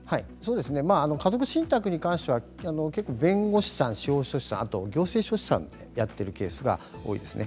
家族信託に関しては弁護士さん、司法書士さん行政書士さんがやっているケースが多いですね。